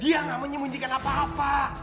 iya gak menyembunyikan apa apa